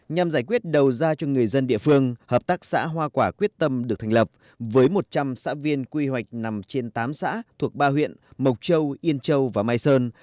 nhằm giải quyết đầu ra cho người dân địa phương hợp tác xã hoa quả quyết tâm được thành lập với một trăm linh xã viên quy hoạch nằm trên tám xã thuộc ba huyện mộc châu yên châu và mai sơn